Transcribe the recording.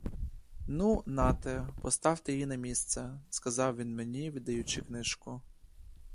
Ну, нате, поставте її на місце, — сказав він мені, віддаючи книжку.